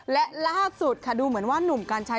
และล่าสุดค่ะดูเหมือนว่าหนุ่มกัญชัย